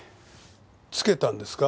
つけたんですか？